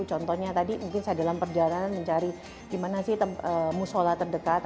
contohnya tadi mungkin saya dalam perjalanan mencari di mana sih musola terdekat